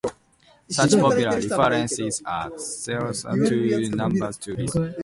Such popular references are therefore too numerous to list.